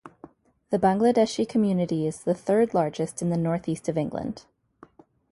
The Bangladeshi community is the third largest in the North East of England.